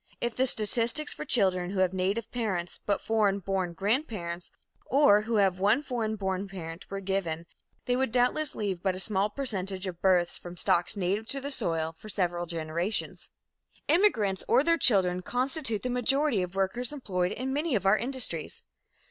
If the statistics for children who have native parents but foreign born grandparents, or who have one foreign born parent, were given, they would doubtless leave but a small percentage of births from stocks native to the soil for several generations. Immigrants or their children constitute the majority of workers employed in many of our industries.